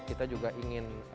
kita juga ingin dari sektornya